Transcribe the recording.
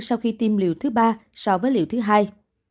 sau khi tiêm liệu thứ ba so với liệu thứ hai